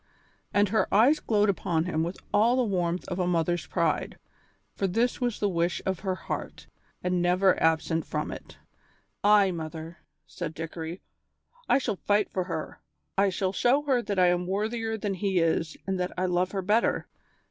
And her eyes glowed upon him with all the warmth of a mother's pride, for this was the wish of her heart, and never absent from it. "Ay, mother," said Dickory, "I shall fight for her; I shall show her that I am worthier than he is and that I love her better.